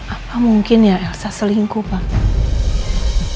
apa mungkin ya elsa selingkuh pak